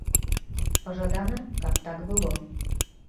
Пажадана, каб так было.